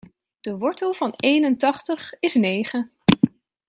De wortel van eenentachtig is negen.